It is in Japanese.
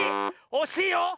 おしいよ！